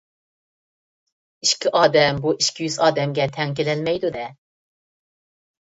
ئىككى ئادەم بۇ ئىككى يۈز ئادەمگە تەڭ كېلەلمەيدۇ-دە.